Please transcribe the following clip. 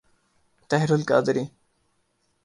Tahir al-Qadri